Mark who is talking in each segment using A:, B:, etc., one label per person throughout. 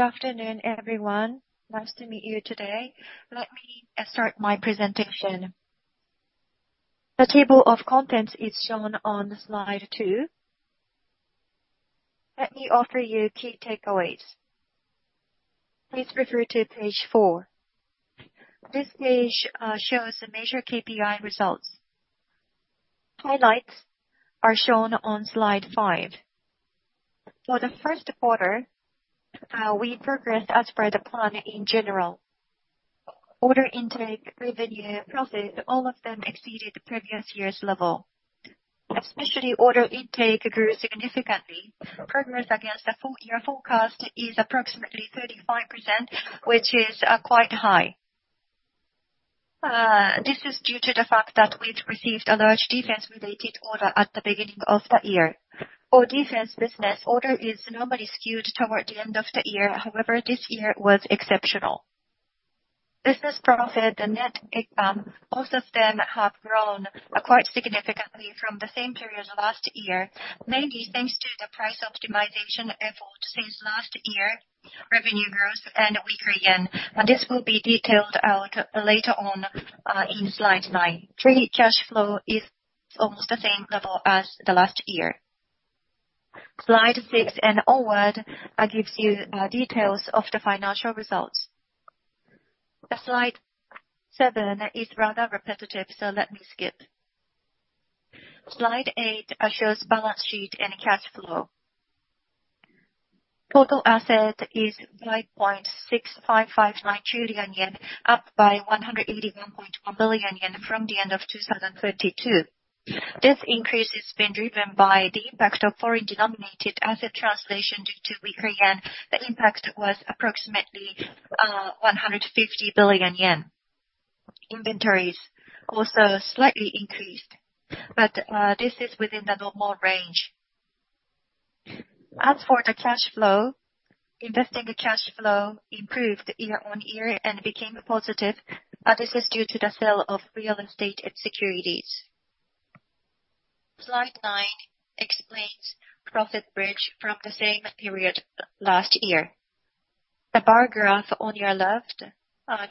A: Good afternoon, everyone. Nice to meet you today. Let me start my presentation. The table of contents is shown on slide two. Let me offer you key takeaways. Please refer to page four. This page shows the major KPI results. Highlights are shown on slide five. For the first quarter, we progressed as per the plan in general. Order intake, revenue, profit, all of them exceeded the previous year's level. Especially order intake grew significantly. Progress against the full year forecast is approximately 35%, which is quite high. This is due to the fact that we'd received a large defense-related order at the beginning of the year. Our defense business order is normally skewed toward the end of the year. However, this year was exceptional. Business profit and net income, both of them have grown quite significantly from the same period last year, mainly thanks to the price optimization effort since last year, revenue growth, and weaker yen, and this will be detailed out later on in slide 9. Free cash flow is almost the same level as the last year. Slide 6 and onward gives you details of the financial results. The slide 7 is rather repetitive, so let me skip. Slide 8 shows balance sheet and cash flow. Total asset is 5.6559 trillion yen, up by 181.1 billion yen from the end of 2032. This increase has been driven by the impact of foreign-denominated asset translation due to weaker yen. The impact was approximately 150 billion yen. Inventories also slightly increased, this is within the normal range. As for the cash flow, investing the cash flow improved year-on-year and became positive, this is due to the sale of real estate and securities. Slide 9 explains profit bridge from the same period last year. The bar graph on your left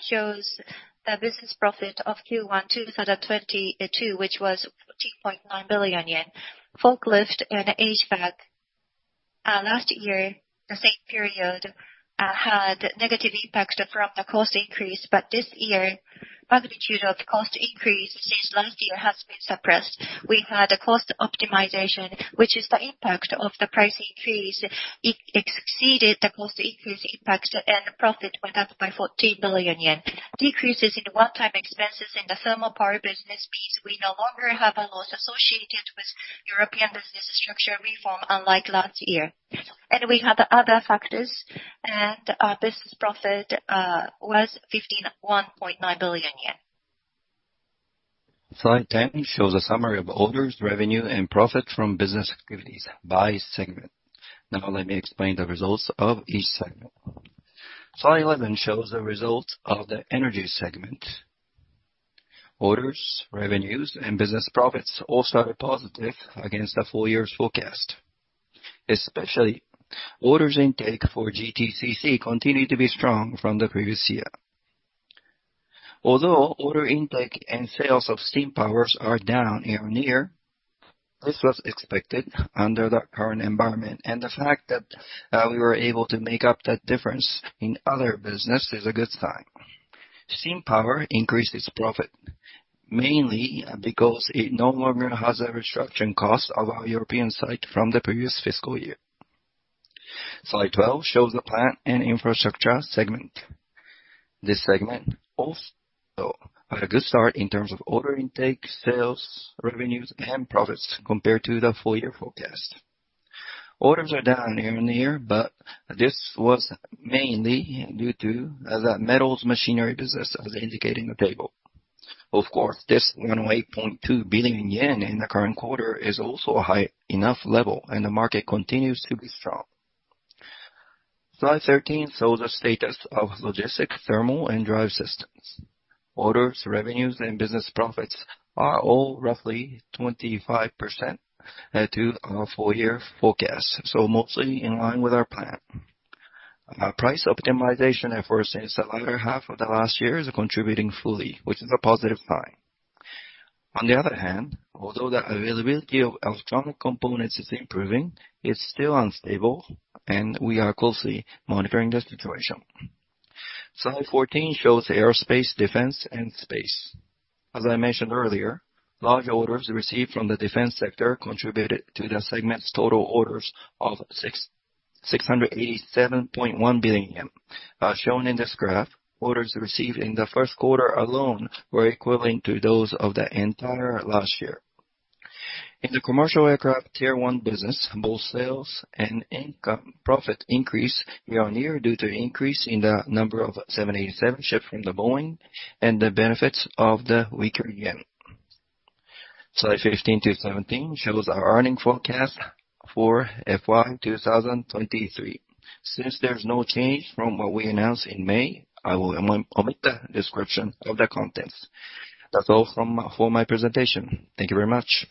A: shows the business profit of Q1 2022, which was 14.9 billion yen. Forklift and HVAC last year, the same period, had negative impacts from the cost increase, this year, magnitude of cost increase since last year has been suppressed. We had a cost optimization, which is the impact of the price increase. It exceeded the cost increase impact, and the profit went up by 14 billion yen. Decreases in one-time expenses in the thermal power business means we no longer have a loss associated with European business structure reform, unlike last year. We have other factors, and business profit was JPY 51.9 billion.
B: Slide 10 shows a summary of orders, revenue, and profit from business activities by segment. Let me explain the results of each segment. Slide 11 shows the results of the Energy segment. Orders, revenues, and business profits all started positive against the full year's forecast, especially orders intake for GTCC continued to be strong from the previous year. Although order intake and sales of Steam Powers are down year-on-year, this was expected under the current environment, and the fact that we were able to make up that difference in other business is a good sign. Steam Power increased its profit, mainly because it no longer has a restructuring cost of our European site from the previous fiscal year. Slide 12 shows the Plant and Infrastructure segment. This segment also had a good start in terms of order intake, sales, revenues, and profits compared to the full year forecast.
A: Orders are down year-on-year, but this was mainly due to the Metals Machinery business, as indicated in the table. Of course, this 100.2 billion yen in the current quarter is also a high enough level, and the market continues to be strong. Slide 13 shows the status of Logistics, Thermal & Drive Systems. Orders, revenues, and business profits are all roughly 25% to our full year forecast, so mostly in line with our plan. Our price optimization efforts since the latter half of the last year is contributing fully, which is a positive sign. On the other hand, although the availability of electronic components is improving, it's still unstable, and we are closely monitoring the situation. Slide 14 shows Aircraft, Defense & Space. As I mentioned earlier, large orders received from the defense sector contributed to the segment's total orders of 687.1 billion yen. As shown in this graph, orders received in the first quarter alone were equivalent to those of the entire last year. In the Commercial Aviation Tier 1 business, both sales and income profit increased year-on-year due to increase in the number of 787 shipped from Boeing and the benefits of the weaker yen. Slide 15 to 17 shows our earnings forecast for FY2023. Since there's no change from what we announced in May, I will omit the description of the contents. That's all for my presentation. Thank you very much.